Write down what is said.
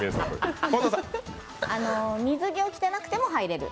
水着を着てなくても入れる。